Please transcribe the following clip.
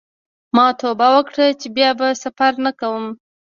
ما توبه وکړه چې بیا به سفر نه کوم.